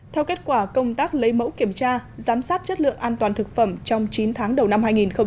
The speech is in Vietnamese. theo kết quả công tác lấy mẫu kiểm tra giám sát chất lượng an toàn thực phẩm trong chín tháng đầu năm hai nghìn hai mươi